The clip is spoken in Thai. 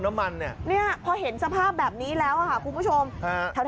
แล้วรถของพี่ตอนเจอแบบนี้คือชนไหม